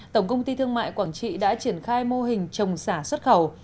tổng công ty thương mại quảng trị đã triển khai mô hình trồng xả xuất khẩu